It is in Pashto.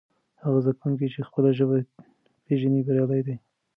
هغه زده کوونکی چې خپله ژبه پېژني بریالی دی.